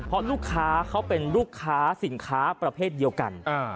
เพราะลูกค้าเขาเป็นลูกค้าสินค้าประเภทเดียวกัน